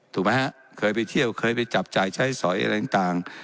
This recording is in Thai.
ถูกไหมฮะเคยไปเที่ยวเคยไปจับจ่ายใช้สอยอะไรต่าง